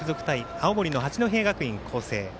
青森の八戸学院光星高校。